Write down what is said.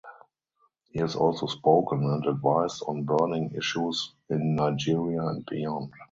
He has also spoken and advised on burning issues in Nigeria and beyond.